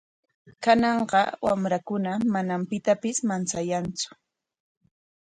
Kananqa wamrakuna manam pitapis manchayantsu.